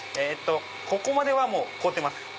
ここまではもう凍ってます